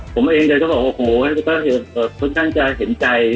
ผมเองแกก็บอกว่าโอ้โหก็ค่อนข้างจะเห็นใจ